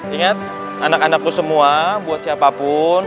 ingat anak anakku semua buat siapapun